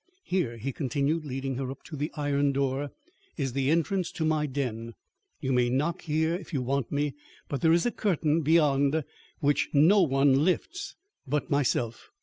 Here," he continued, leading her up to the iron door, "is the entrance to my den. You may knock here if you want me, but there is a curtain beyond, which no one lifts but myself.